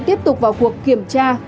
tiếp tục vào cuộc kiểm tra